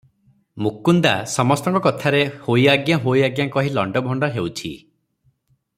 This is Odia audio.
ମୁକୁନ୍ଦା ସମସ୍ତଙ୍କ କଥାରେ ହୋଇ ଆଜ୍ଞା, ହୋଇ ଆଜ୍ଞା କହି ଲଣ୍ତଭଣ୍ତ ହେଉଛି ।